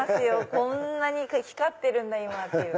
「こんなに光ってるんだ今」って。